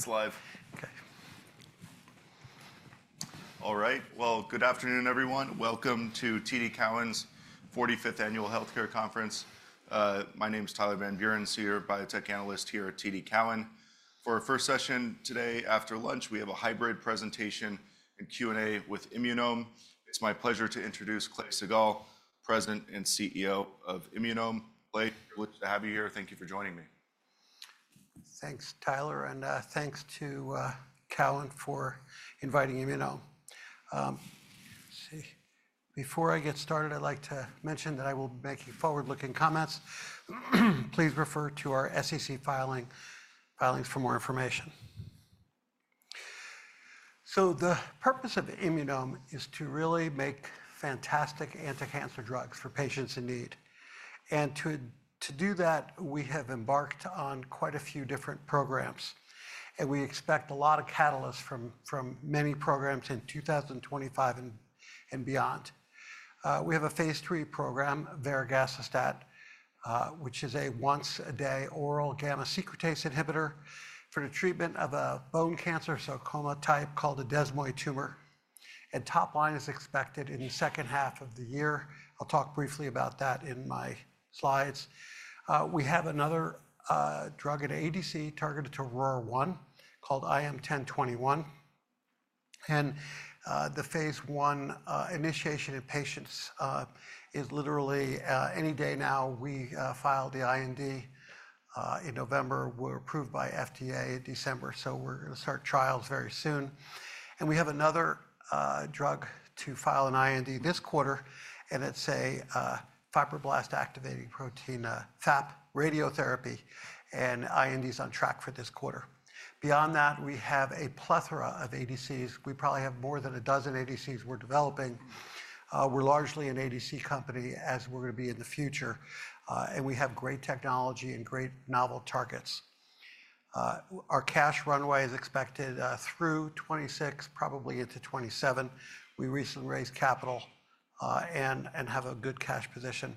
Yeah it's live. Okay. All right, good afternoon everyone. Welcome to TD Cowen's 45th Annual Healthcare Conference. My name is Tyler Van Buren, Senior Biotech Analyst here at TD Cowen. For our first session today after lunch, we have a hybrid presentation and Q&A with Immunome. It's my pleasure to introduce Clay Siegall, President and CEO of Immunome. Clay, delighted to have you here. Thank you for joining me. Thanks Tyler and thanks to Cowen for inviting Immunome. Before I get started, I'd like to mention that I will be making forward-looking comments. Please refer to our SEC filings for more information. The purpose of Immunome is to really make fantastic anti-cancer drugs for patients in need. To do that, we have embarked on quite a few different programs, and we expect a lot of catalysts from many programs in 2025 and beyond. We have a phase III program varegacestat, which is a once-a-day oral gamma-secretase inhibitor for the treatment of a bone cancer, sarcoma type called a desmoid tumor. Top line is expected in the second half of the year. I'll talk briefly about that in my slides. We have another drug, an ADC targeted to ROR1 called IM-1021. The phase I initiation in patients is literally any day now. We filed the IND in November. We were approved by FDA in December, so we are going to start trials very soon. We have another drug to file an IND this quarter, and it is a fibroblast activating protein FAP radiotherapy. The IND is on track for this quarter. Beyond that, we have a plethora of ADCs. We probably have more than a dozen ADCs we are developing. We are largely an ADC company, as we are going to be in the future, and we have great technology and great novel targets. Our cash runway is expected through 2026, probably into 2027. We recently raised capital and have a good cash position.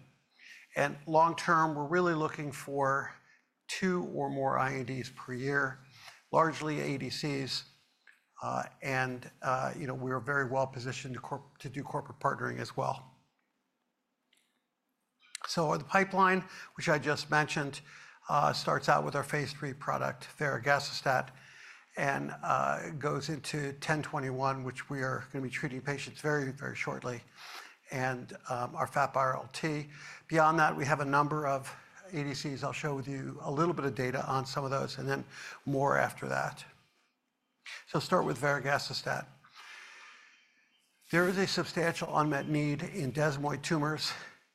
Long term, we are really looking for two or more INDs per year, largely ADCs, and we are very well positioned to do corporate partnering as well. The pipeline, which I just mentioned, starts out with our phase III product varegacestat and goes into 1021, which we are going to be treating patients very, very shortly, and our FAP RLT. Beyond that, we have a number of ADCs. I'll show you a little bit of data on some of those, and then more after that. I'll start with varegacestat. There is a substantial unmet need in desmoid tumors.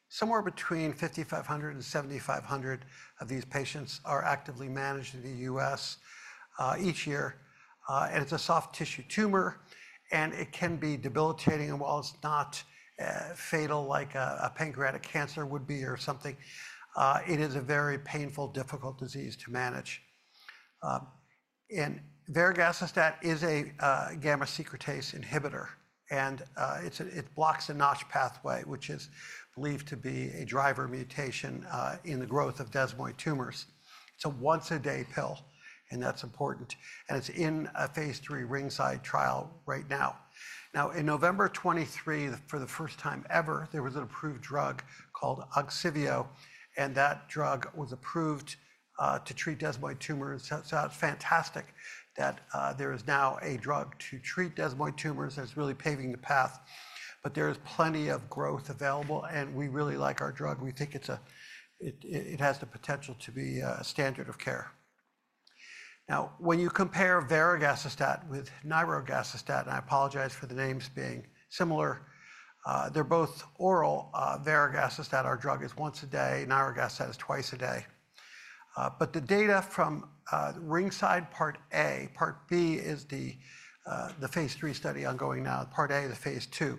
Somewhere between 5,500 and 7,500 of these patients are actively managed in the U.S. each year. It is a soft tissue tumor, and it can be debilitating. While it is not fatal like a pancreatic cancer would be or something, it is a very painful, difficult disease to manage. Varegacestat is a gamma-secretase inhibitor, and it blocks the Notch pathway, which is believed to be a driver mutation in the growth of desmoid tumors. It's a once-a-day pill, and that's important. It's in a phase III RINGSIDE trial right now. In November 2023, for the first time ever, there was an approved drug called OGSIVEO, and that drug was approved to treat desmoid tumors. That's fantastic that there is now a drug to treat desmoid tumors that's really paving the path. There is plenty of growth available, and we really like our drug. We think it has the potential to be a standard of care. Now, when you compare varegacestat with nirogacestat, and I apologize for the names being similar, they're both oral. Varegacestat our drug is once a day. Nirogacestat is twice a day. The data from RINGSIDE part A, part B is the phase three study ongoing now. Part A is phase II.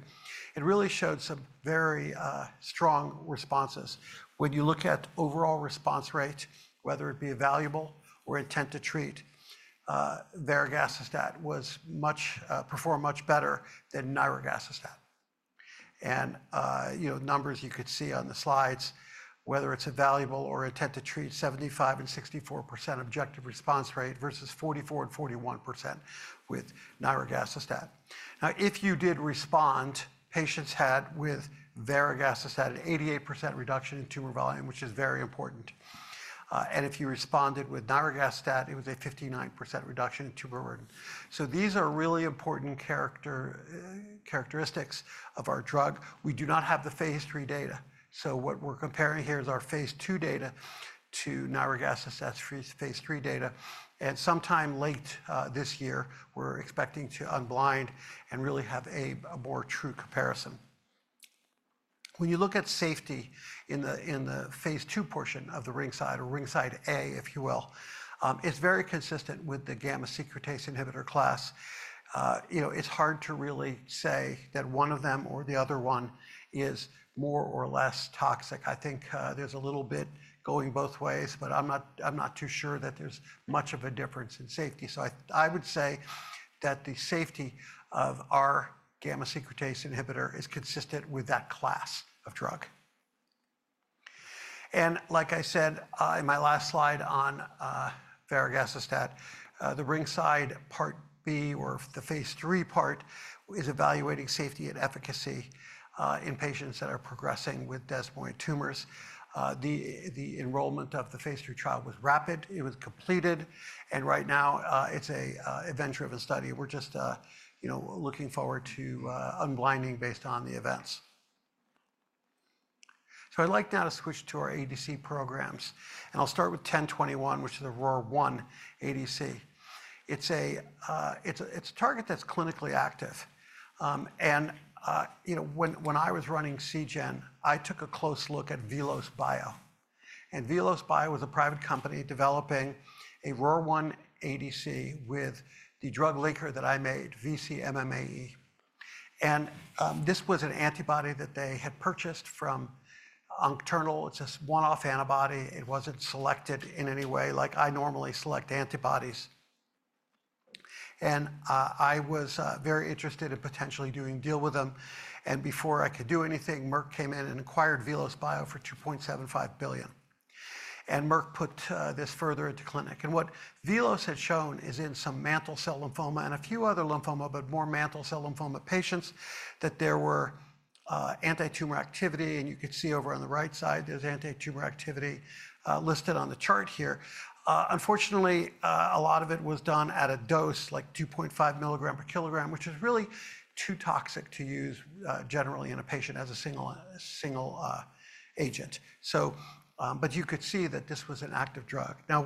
It really showed some very strong responses. When you look at overall response rate, whether it be evaluable or intent to treat, varegacestat performed much better than nirogacestat. And numbers you could see on the slides, whether it's evaluable or intent to treat, 75% and 64% objective response rate versus 44% and 41% with nirogacestat. Now, if you did respond, patients had with varegacestat an 88% reduction in tumor volume, which is very important. If you responded with nirogacestat, it was a 59% reduction in tumor volume. These are really important characteristics of our drug. We do not have the phase III data. What we're comparing here is our phase II data to nirogacestat's phase III data. Sometime late this year, we're expecting to unblind and really have a more true comparison. When you look at safety in the phase II portion of the ringside, or ringside A, if you will, it's very consistent with the gamma-secretase inhibitor class. It's hard to really say that one of them or the other one is more or less toxic. I think there's a little bit going both ways, but I'm not too sure that there's much of a difference in safety. I would say that the safety of our gamma-secretase inhibitor is consistent with that class of drug. Like I said in my last slide on varigastat, the ringside part B or the phase three part is evaluating safety and efficacy in patients that are progressing with desmoid tumors. The enrollment of the phase three trial was rapid. It was completed. Right now, it's an adventure of a study. We're just looking forward to unblinding based on the events. I'd like now to switch to our ADC programs. I'll start with 1021, which is the ROR1 ADC. It's a target that's clinically active. When I was running CGen, I took a close look at VelosBio. VelosBio was a private company developing a ROR1 ADC with the drug linker that I made, VcMMAE. This was an antibody that they had purchased from Oncocyte. It's a one-off antibody. It wasn't selected in any way like I normally select antibodies. I was very interested in potentially doing a deal with them. Before I could do anything, Merck came in and acquired VelosBio for $2.75 billion. Merck put this further into clinic. What Velos had shown is in some mantle cell lymphoma and a few other lymphoma, but more mantle cell lymphoma patients, that there were anti-tumor activity. You could see over on the right side, there's anti-tumor activity listed on the chart here. Unfortunately, a lot of it was done at a dose like 2.5 mg per kg, which is really too toxic to use generally in a patient as a single agent. You could see that this was an active drug. Now,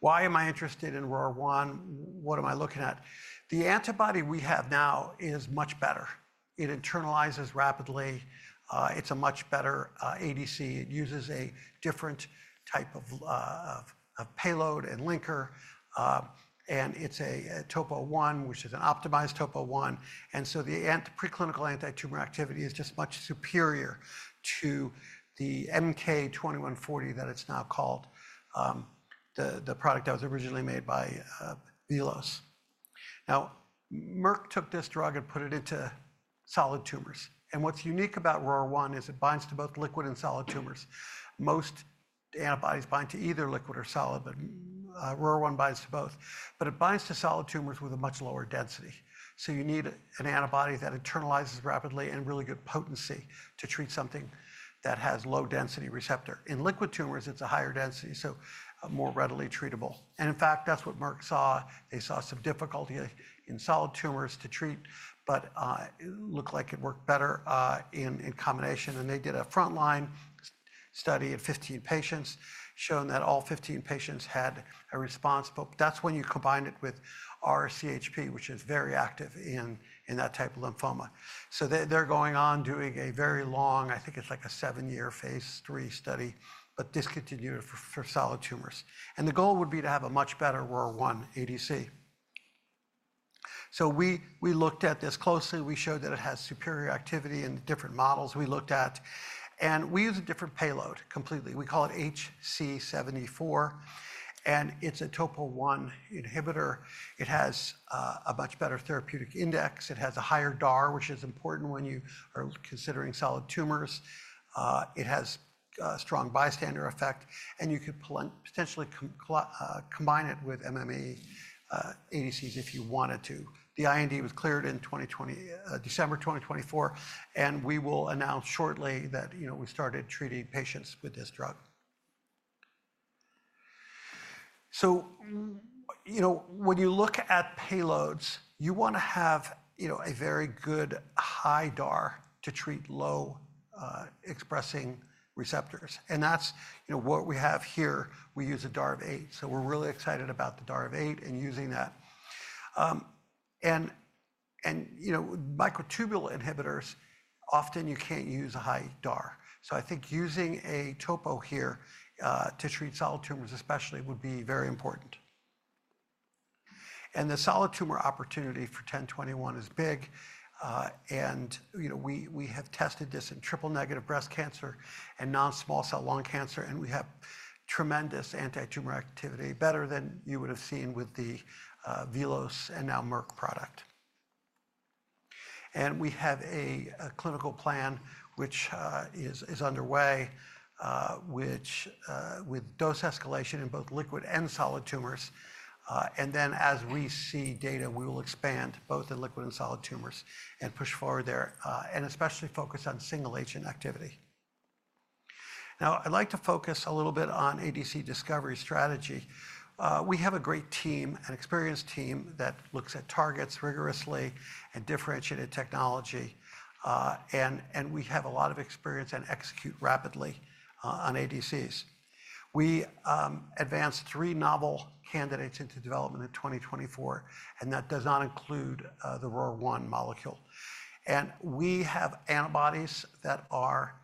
why am I interested in ROR1? What am I looking at? The antibody we have now is much better. It internalizes rapidly. It's a much better ADC. It uses a different type of payload and linker. It's a TOPO1, which is an optimized TOPO1. The preclinical anti-tumor activity is just much superior to the MK-2140 that it's now called, the product that was originally made by Velos. Merck took this drug and put it into solid tumors. What's unique about ROR1 is it binds to both liquid and solid tumors. Most antibodies bind to either liquid or solid, but ROR1 binds to both. It binds to solid tumors with a much lower density. You need an antibody that internalizes rapidly and really good potency to treat something that has low-density receptor. In liquid tumors, it's a higher density, so more readily treatable. In fact, that's what Merck saw. They saw some difficulty in solid tumors to treat, but it looked like it worked better in combination. They did a frontline study of 15 patients, showing that all 15 patients had a response. That's when you combine it with R-CHOP, which is very active in that type of lymphoma. They are going on doing a very long, I think it's like a seven-year phase III study, but discontinued for solid tumors. The goal would be to have a much better ROR1 ADC. We looked at this closely. We showed that it has superior activity in the different models we looked at. We use a different payload completely. We call it HC-74. It is a TOPO1 inhibitor. It has a much better therapeutic index. It has a higher DAR, which is important when you are considering solid tumors. It has a strong bystander effect. You could potentially combine it with MME ADCs if you wanted to. The IND was cleared in December 2024, and we will announce shortly that we started treating patients with this drug. When you look at payloads, you want to have a very good high DAR to treat low-expressing receptors. That is what we have here. We use a DAR of eight. We're really excited about the DAR of eight and using that. Microtubule inhibitors, often you can't use a high DAR. I think using a topo here to treat solid tumors especially would be very important. The solid tumor opportunity for 1021 is big. We have tested this in triple-negative breast cancer and non-small cell lung cancer, and we have tremendous anti-tumor activity, better than you would have seen with the Velos and now Merck product. We have a clinical plan, which is underway, with dose escalation in both liquid and solid tumors. As we see data, we will expand both in liquid and solid tumors and push forward there, and especially focus on single-agent activity. Now, I'd like to focus a little bit on ADC discovery strategy. We have a great team, an experienced team that looks at targets rigorously and differentiated technology. We have a lot of experience and execute rapidly on ADCs. We advanced three novel candidates into development in 2024, and that does not include the ROR1 molecule. We have antibodies that are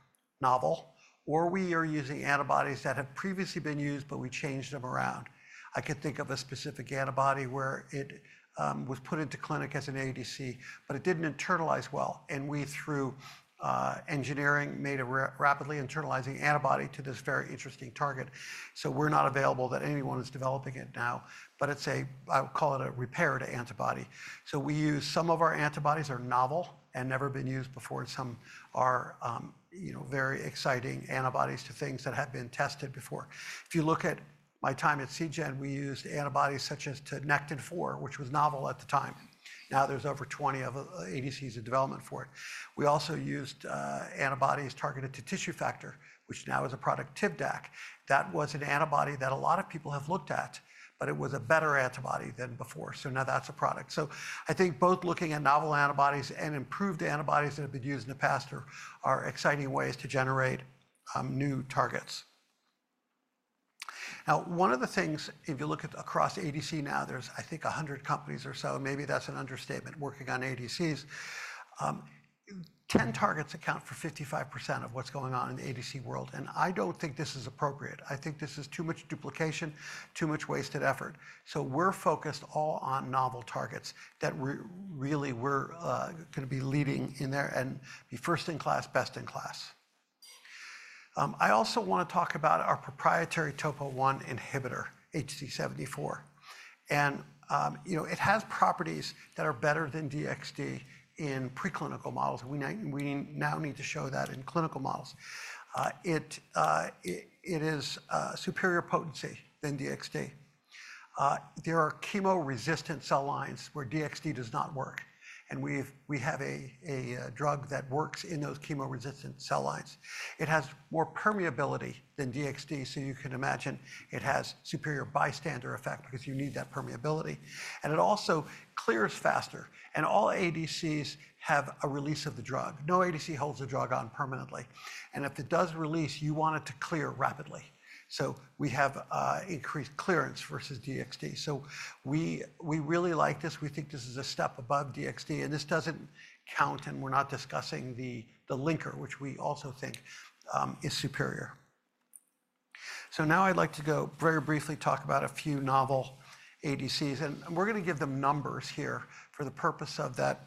novel, or we are using antibodies that have previously been used, but we changed them around. I could think of a specific antibody where it was put into clinic as an ADC, but it did not internalize well. We, through engineering, made a rapidly internalizing antibody to this very interesting target. We are not aware that anyone is developing it now, but I would call it a repaired antibody. We use some of our antibodies that are novel and never been used before. Some are very exciting antibodies to things that have been tested before. If you look at my time at CGen, we used antibodies such as to NECTIN-4, which was novel at the time. Now there's over 20 ADCs in development for it. We also used antibodies targeted to tissue factor, which now is a product, Tivdak. That was an antibody that a lot of people have looked at, but it was a better antibody than before. Now that's a product. I think both looking at novel antibodies and improved antibodies that have been used in the past are exciting ways to generate new targets. If you look across ADC now there's I think 100 companies or so. Maybe that's an understatement working on ADCs. Ten targets account for 55% of what's going on in the ADC world. I don't think this is appropriate. I think this is too much duplication, too much wasted effort. We are focused all on novel targets that really we are going to be leading in there and be first in class, best in class. I also want to talk about our proprietary TOPO1 inhibitor, HC-74. It has properties that are better than DXD in preclinical models. We now need to show that in clinical models. It is superior potency than DXD. There are chemo-resistant cell lines where DXD does not work. We have a drug that works in those chemo-resistant cell lines. It has more permeability than DXD, so you can imagine it has superior bystander effect because you need that permeability. It also clears faster. All ADCs have a release of the drug. No ADC holds the drug on permanently. If it does release, you want it to clear rapidly. We have increased clearance versus DXD. We really like this. We think this is a step above DXD. This does not count, and we are not discussing the linker, which we also think is superior. I would like to very briefly talk about a few novel ADCs. We are going to give them numbers here for the purpose of that.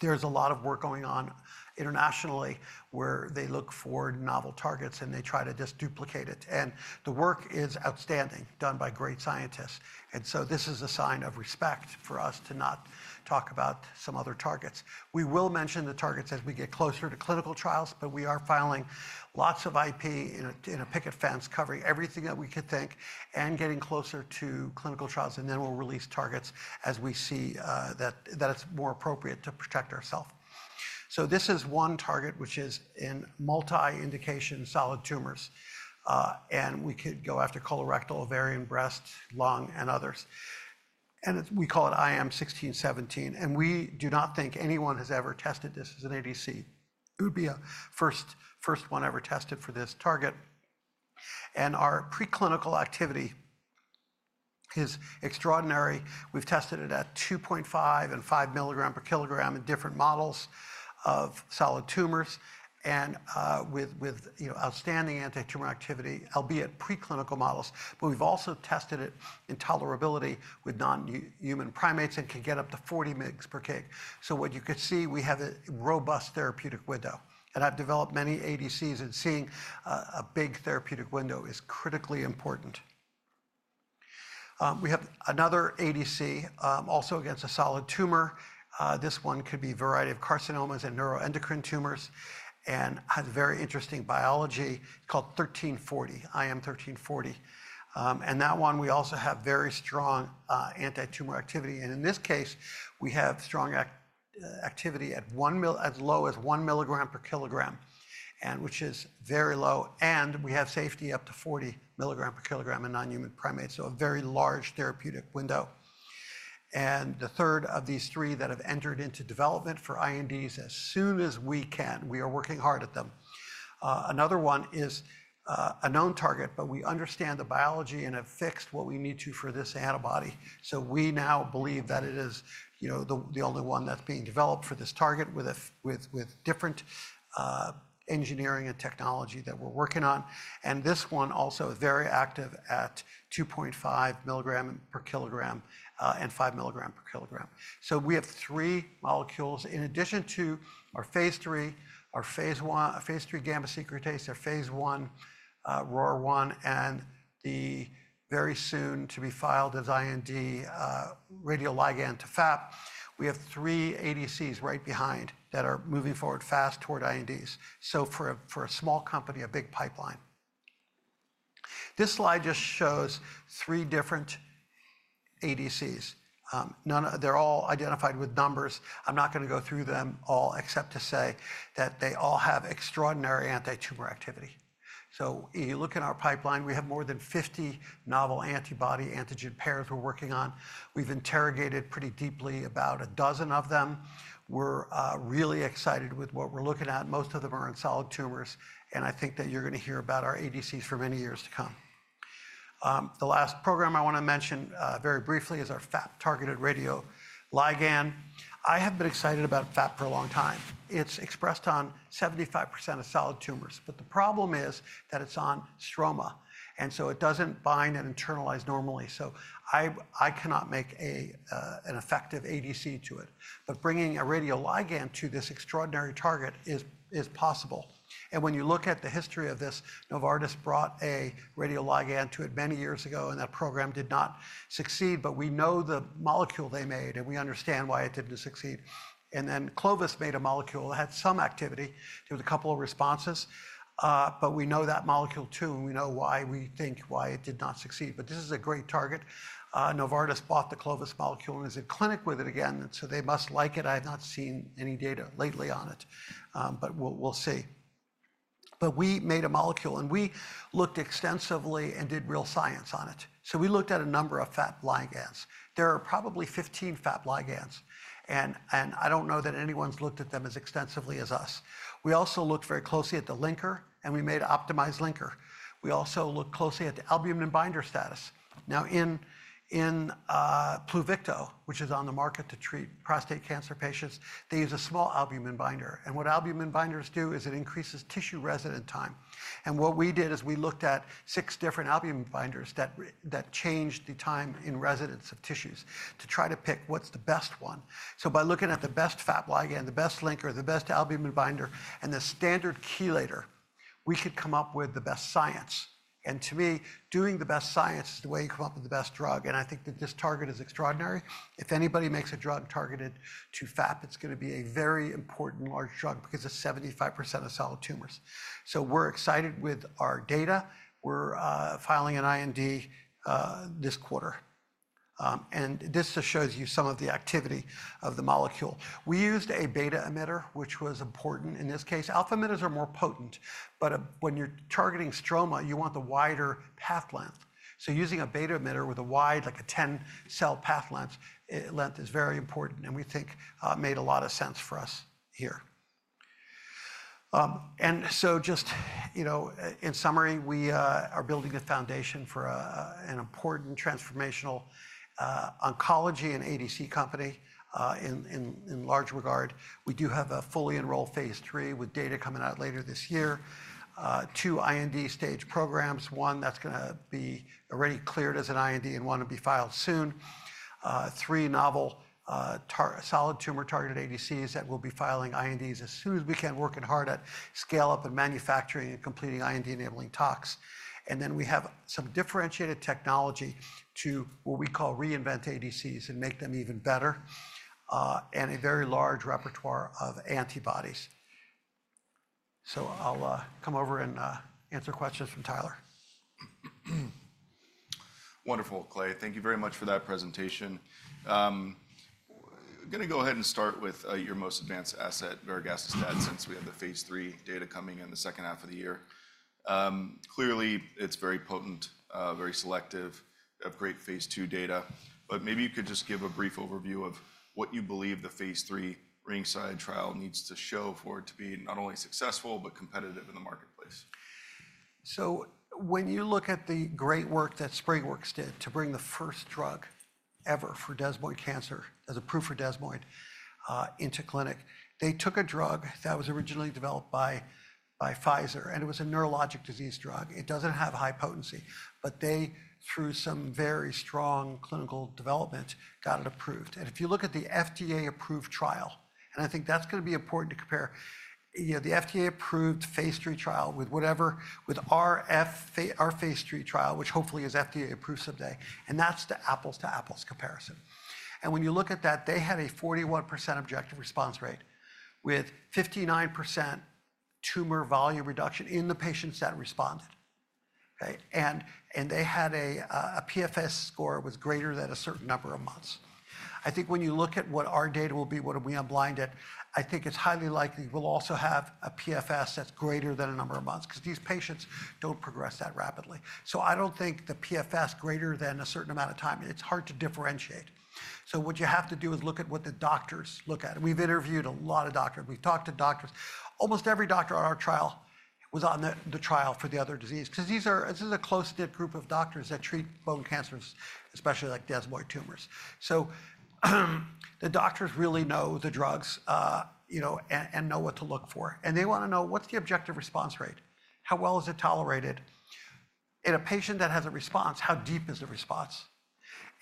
There is a lot of work going on internationally where they look for novel targets, and they try to just duplicate it. The work is outstanding, done by great scientists. This is a sign of respect for us to not talk about some other targets. We will mention the targets as we get closer to clinical trials, but we are filing lots of IP in a picket fence, covering everything that we could think and getting closer to clinical trials. We will release targets as we see that it is more appropriate to protect ourselves. This is one target, which is in multi-indication solid tumors. We could go after colorectal, ovarian, breast, lung, and others. We call it IM-1617. We do not think anyone has ever tested this as an ADC. It would be the first one ever tested for this target. Our preclinical activity is extraordinary. We have tested it at 2.5 and five mg per kg in different models of solid tumors with outstanding anti-tumor activity, albeit preclinical models. We have also tested it in tolerability with non-human primates and can get up to 40 mg per kg. You can see we have a robust therapeutic window. I have developed many ADCs, and seeing a big therapeutic window is critically important. We have another ADC, also against a solid tumor. This one could be a variety of carcinomas and neuroendocrine tumors and has very interesting biology. It is called IM-1340. That one, we also have very strong anti-tumor activity. In this case, we have strong activity as low as one mg per kg, which is very low. We have safety up to 40 mg per kg in non-human primates, so a very large therapeutic window. The third of these three have entered into development for INDs as soon as we can. We are working hard at them. Another one is a known target, but we understand the biology and have fixed what we need to for this antibody. We now believe that it is the only one that is being developed for this target with different engineering and technology that we are working on. This one also is very active at 2.5 mg per kg and five mg per kg. We have three molecules in addition to our phase three, our phase III gamma secretase, our phase I ROR1, and the very soon to be filed as IND radioligand to FAP. We have three ADCs right behind that are moving forward fast toward INDs. For a small company, a big pipeline. This slide just shows three different ADCs. They're all identified with numbers. I'm not going to go through them all except to say that they all have extraordinary anti-tumor activity. You look at our pipeline, we have more than 50 novel antibody antigen pairs we're working on. We've interrogated pretty deeply about a dozen of them. We're really excited with what we're looking at. Most of them are in solid tumors. I think that you're going to hear about our ADCs for many years to come. The last program I want to mention very briefly is our FAP targeted radioligand. I have been excited about FAP for a long time. It's expressed on 75% of solid tumors. The problem is that it's on stroma. It doesn't bind and internalize normally. I cannot make an effective ADC to it. Bringing a radioligand to this extraordinary target is possible. When you look at the history of this, Novartis brought a radioligand to it many years ago, and that program did not succeed. We know the molecule they made, and we understand why it didn't succeed. Clovis made a molecule that had some activity. There was a couple of responses. We know that molecule too, and we know why we think why it did not succeed. This is a great target. Novartis bought the Clovis molecule and is in clinic with it again. They must like it. I have not seen any data lately on it, but we'll see. We made a molecule, and we looked extensively and did real science on it. We looked at a number of FAP ligands. There are probably 15 FAP ligands. I do not know that anyone's looked at them as extensively as us. We also looked very closely at the linker, and we made optimized linker. We also looked closely at the albumin binder status. Now, in Pluvicto, which is on the market to treat prostate cancer patients, they use a small albumin binder. What albumin binders do is it increases tissue residence time. What we did is we looked at six different albumin binders that changed the time in residence of tissues to try to pick what's the best one. By looking at the best FAP ligand, the best linker, the best albumin binder, and the standard chelator, we could come up with the best science. To me, doing the best science is the way you come up with the best drug. I think that this target is extraordinary. If anybody makes a drug targeted to FAP, it's going to be a very important large drug because it's 75% of solid tumors. We're excited with our data. We're filing an IND this quarter. This just shows you some of the activity of the molecule. We used a beta emitter, which was important in this case. Alpha emitters are more potent. When you're targeting stroma, you want the wider path length. Using a beta emitter with a wide, like a 10-cell path length, is very important. We think it made a lot of sense for us here. Just in summary, we are building a foundation for an important transformational oncology and ADC company in large regard. We do have a fully enrolled phase three with data coming out later this year. Two IND stage programs, one that's going to be already cleared as an IND and one to be filed soon. Three novel solid tumor targeted ADCs that we'll be filing INDs as soon as we can, working hard at scale-up and manufacturing and completing IND enabling talks. We have some differentiated technology to what we call reinvent ADCs and make them even better and a very large repertoire of antibodies. I'll come over and answer questions from Tyler. Wonderful Clay. Thank you very much for that presentation. I'm going to go ahead and start with your most advanced asset, varegacestat, since we have the phase three data coming in the second half of the year. Clearly, it's very potent, very selective, of great phase II data. Maybe you could just give a brief overview of what you believe the phase III RINGSIDE trial needs to show for it to be not only successful, but competitive in the marketplace. When you look at the great work that SpringWorks did to bring the first drug ever for desmoid cancer as a proof for desmoid into clinic, they took a drug that was originally developed by Pfizer. It was a neurologic disease drug. It does not have high potency. They, through some very strong clinical development, got it approved. If you look at the FDA-approved trial, and I think that is going to be important to compare, the FDA-approved phase three trial with our phase three trial, which hopefully is FDA-approved someday. That is the apples-to-apples comparison. When you look at that, they had a 41% objective response rate with 59% tumor volume reduction in the patients that responded. They had a PFS score that was greater than a certain number of months. I think when you look at what our data will be, what we unblinded, I think it's highly likely we'll also have a PFS that's greater than a number of months because these patients don't progress that rapidly. I don't think the PFS greater than a certain amount of time, it's hard to differentiate. What you have to do is look at what the doctors look at. We've interviewed a lot of doctors. We've talked to doctors. Almost every doctor on our trial was on the trial for the other disease because this is a close-knit group of doctors that treat bone cancers, especially like desmoid tumors. The doctors really know the drugs and know what to look for. They want to know what's the objective response rate. How well is it tolerated? In a patient that has a response, how deep is the response?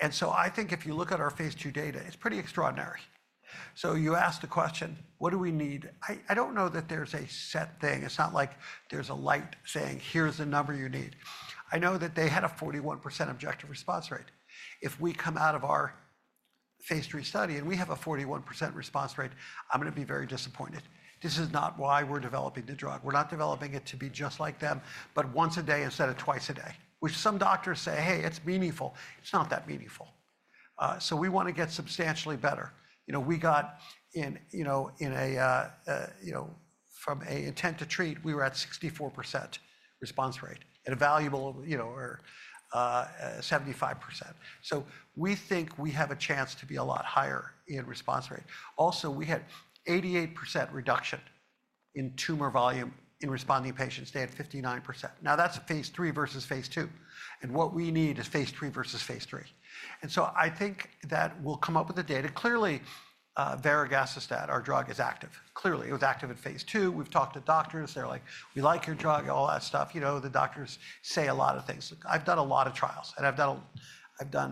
I think if you look at our phase II data, it's pretty extraordinary. You ask the question, what do we need? I don't know that there's a set thing. It's not like there's a light saying, here's the number you need. I know that they had a 41% objective response rate. If we come out of our phase three study and we have a 41% response rate, I'm going to be very disappointed. This is not why we're developing the drug. We're not developing it to be just like them, but once a day instead of twice a day, which some doctors say, hey, it's meaningful. It's not that meaningful. We want to get substantially better. We got in from an intent to treat, we were at 64% response rate at a valuable 75%. We think we have a chance to be a lot higher in response rate. Also, we had 88% reduction in tumor volume in responding patients. They had 59%. Now, that's phase three versus phase two. What we need is phase three versus phase III. I think that we'll come up with the data. Clearly, varagacestat, our drug, is active. Clearly, it was active in phase II. We've talked to doctors. They're like, we like your drug, all that stuff. The doctors say a lot of things. I've done a lot of trials. I've done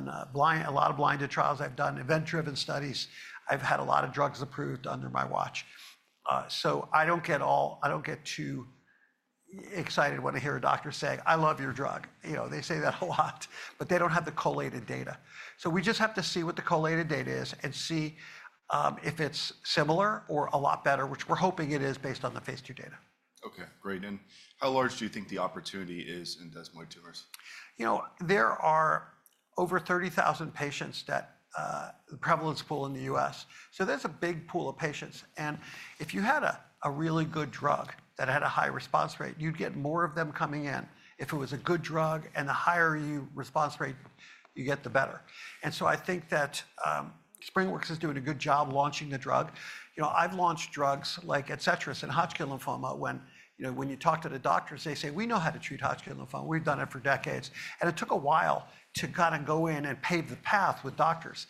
a lot of blinded trials. I've done event-driven studies. I've had a lot of drugs approved under my watch. I don't get too excited when I hear a doctor say, I love your drug. They say that a lot, but they don't have the collated data. We just have to see what the collated data is and see if it's similar or a lot better, which we're hoping it is based on the phase IIdata. OK, great. How large do you think the opportunity is in desmoid tumors? There are over 30,000 patients that the prevalence pool in the U.S. So there's a big pool of patients. And if you had a really good drug that had a high response rate, you'd get more of them coming in. If it was a good drug and the higher your response rate, you get the better. And so I think that SpringWorks is doing a good job launching the drug. I've launched drugs like Adcetris in Hodgkin lymphoma. When you talk to the doctors, they say, we know how to treat Hodgkin lymphoma. We've done it for decades. And it took a while to kind of go in and pave the path with doctors.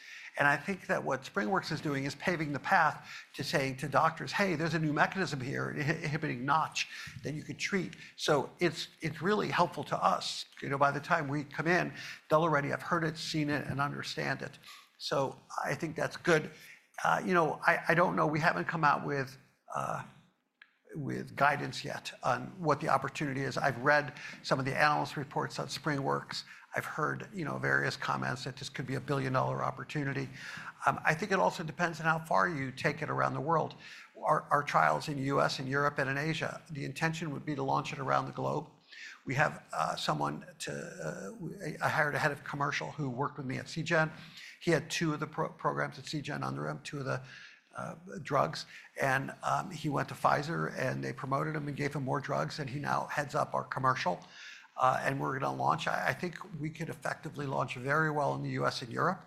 I think that what SpringWorks is doing is paving the path to saying to doctors, hey, there's a new mechanism here, an inhibiting Notch that you could treat. So it's really helpful to us. By the time we come in, they'll already have heard it, seen it, and understand it. I think that's good. I don't know. We haven't come out with guidance yet on what the opportunity is. I've read some of the analyst reports on SpringWorks. I've heard various comments that this could be a billion-dollar opportunity. I think it also depends on how far you take it around the world. Our trial's in the U.S., in Europe, and in Asia. The intention would be to launch it around the globe. We have someone too. I hired a Head of Commercial who worked with me at CGen. He had two of the programs at CGen under him, two of the drugs. He went to Pfizer, and they promoted him and gave him more drugs. He now heads up our commercial. We're going to launch. I think we could effectively launch very well in the U.S. and Europe.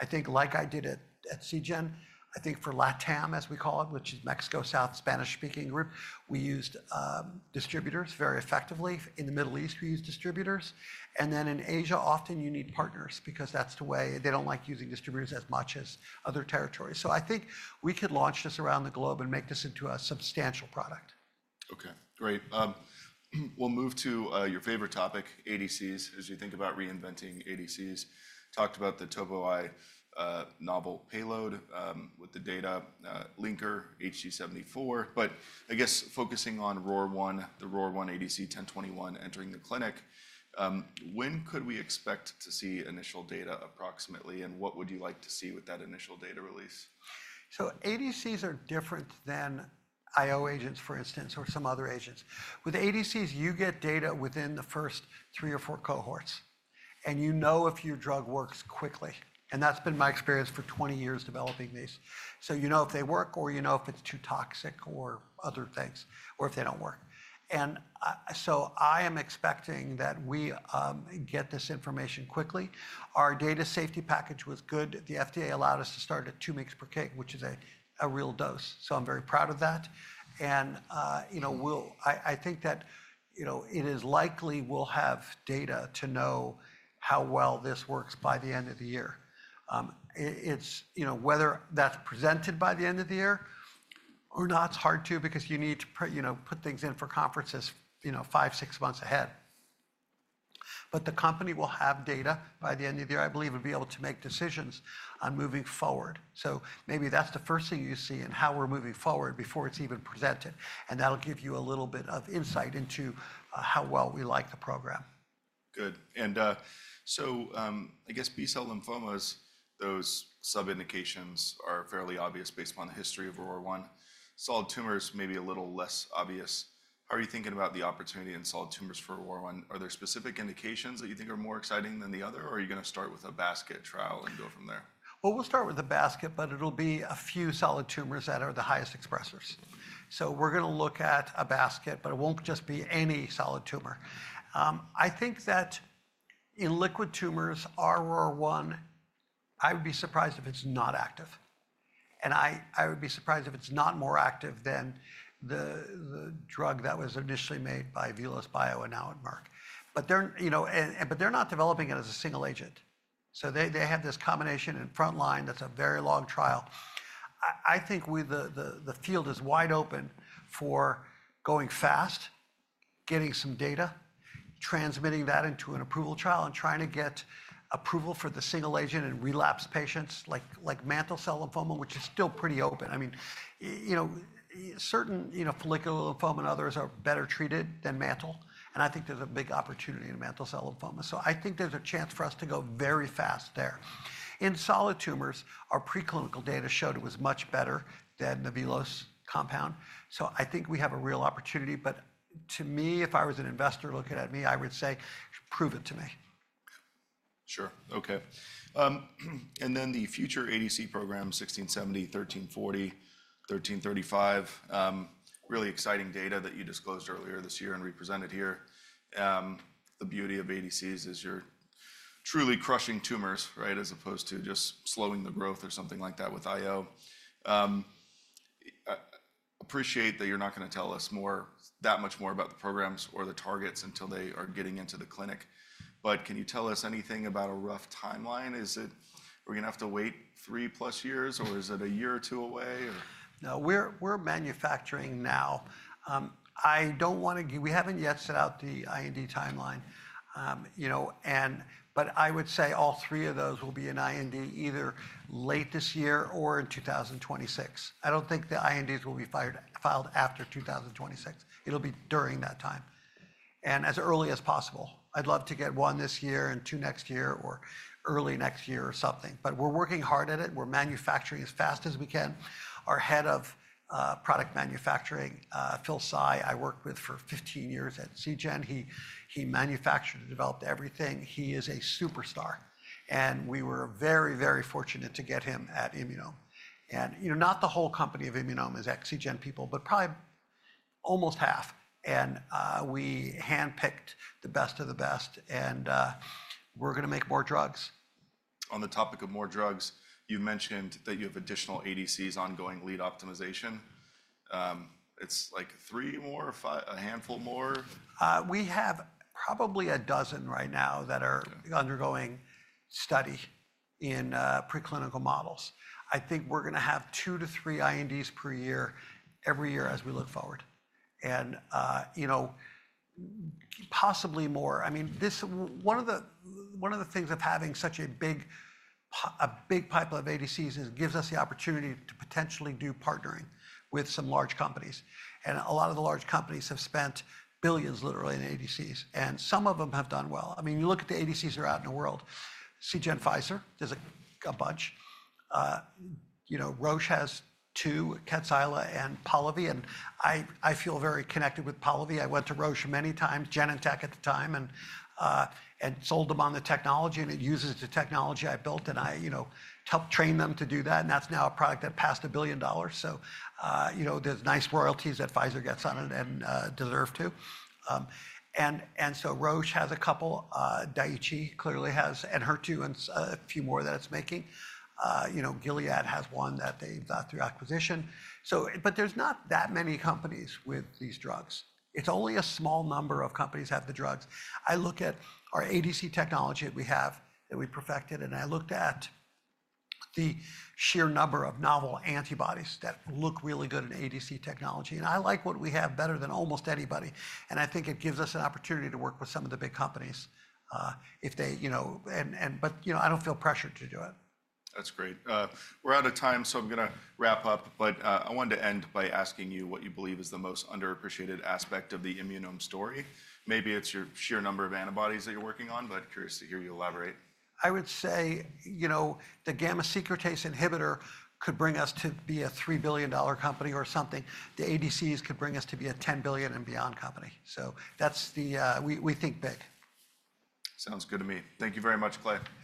I think, like I did at CGen, I think for LATAM, as we call it, which is Mexico South, Spanish-speaking group, we used distributors very effectively. In the Middle East, we used distributors. In Asia, often you need partners because that's the way. They don't like using distributors as much as other territories. I think we could launch this around the globe and make this into a substantial product. OK, great. We'll move to your favorite topic, ADCs, as you think about reinventing ADCs. Talked about the ToboEye novel payload with the data linker HC-74. I guess focusing on ROR1, the ROR1 ADC 1021 entering the clinic, when could we expect to see initial data approximately? What would you like to see with that initial data release? ADCs are different than IO agents, for instance, or some other agents. With ADCs, you get data within the first three or four cohorts. You know if your drug works quickly. That's been my experience for 20 years developing these. You know if they work or you know if it's too toxic or other things or if they don't work. I am expecting that we get this information quickly. Our data safety package was good. The FDA allowed us to start at two mg per kg, which is a real dose. I'm very proud of that. I think that it is likely we'll have data to know how well this works by the end of the year. Whether that's presented by the end of the year or not, it's hard to because you need to put things in for conferences five, six months ahead. The company will have data by the end of the year. I believe it'll be able to make decisions on moving forward. Maybe that's the first thing you see in how we're moving forward before it's even presented. That'll give you a little bit of insight into how well we like the program. Good. I guess B-cell lymphomas, those sub-indications are fairly obvious based upon the history of ROR1. Solid tumors may be a little less obvious. How are you thinking about the opportunity in solid tumors for ROR1? Are there specific indications that you think are more exciting than the other? Are you going to start with a basket trial and go from there? We'll start with a basket, but it'll be a few solid tumors that are the highest expressors. We're going to look at a basket, but it won't just be any solid tumor. I think that in liquid tumors, our ROR1, I would be surprised if it's not active. I would be surprised if it's not more active than the drug that was initially made by Velos Bio and now at Merck. They're not developing it as a single agent. They have this combination in front line that's a very long trial. I think the field is wide open for going fast, getting some data, transmitting that into an approval trial, and trying to get approval for the single agent in relapsed patients like mantle cell lymphoma, which is still pretty open. I mean, certain follicular lymphoma and others are better treated than mantle. I think there is a big opportunity in mantle cell lymphoma. I think there is a chance for us to go very fast there. In solid tumors, our pre-clinical data showed it was much better than the Velos compound. I think we have a real opportunity. To me, if I was an investor looking at me, I would say, prove it to me. Sure, Ok. The future ADC program, 1670, 1340, 1335, really exciting data that you disclosed earlier this year and we presented here. The beauty of ADCs is you're truly crushing tumors, right, as opposed to just slowing the growth or something like that with IO. Appreciate that you're not going to tell us that much more about the programs or the targets until they are getting into the clinic. Can you tell us anything about a rough timeline? Is it we're going to have to wait three plus years? Or is it a year or two away? No. We're manufacturing now. I don't want to—we haven't yet set out the IND timeline. I would say all three of those will be in IND either late this year or in 2026. I don't think the INDs will be filed after 2026. It will be during that time and as early as possible. I'd love to get one this year and two next year or early next year or something. We're working hard at it. We're manufacturing as fast as we can. Our Head of Product Manufacturing, Phil Tsai, I worked with for 15 years at CGen. He manufactured and developed everything. He is a superstar. We were very, very fortunate to get him at Immunome. Not the whole company of Immunome is CGen people, but probably almost half. We handpicked the best of the best. We're going to make more drugs. On the topic of more drugs, you mentioned that you have additional ADCs ongoing lead optimization. It's like three more or a handful more? We have probably a dozen right now that are undergoing study in preclinical models. I think we're going to have two to three INDs per year every year as we look forward and possibly more. I mean, one of the things of having such a big pipeline of ADCs is it gives us the opportunity to potentially do partnering with some large companies. A lot of the large companies have spent billions, literally, in ADCs. Some of them have done well. I mean, you look at the ADCs that are out in the world. CGen-Pfizer, there's a bunch. Roche has two, Kadcyla and Polivy. I feel very connected with Polivy. I went to Roche many times, Genentech at the time, and sold them on the technology. It uses the technology I built. I trained them to do that. That's now a product that passed the $ billion. There are nice royalties that Pfizer gets on it and deserve to. Roche has a couple. Daiichi clearly has Enhertu and a few more that it's making. Gilead has one that they've got through acquisition. There are not that many companies with these drugs. It's only a small number of companies that have the drugs. I look at our ADC technology that we have that we perfected. I looked at the sheer number of novel antibodies that look really good in ADC technology. I like what we have better than almost anybody. I think it gives us an opportunity to work with some of the big companies if they want to, but I don't feel pressured to do it. That's great. We're out of time, so I'm going to wrap up. I wanted to end by asking you what you believe is the most underappreciated aspect of the Immunome story. Maybe it's your sheer number of antibodies that you're working on, but curious to hear you elaborate. I would say the gamma secretase inhibitor could bring us to be a $3 billion company or something. The ADCs could bring us to be a $10 billion and beyond company. We think big. Sounds good to me. Thank you very much, Clay.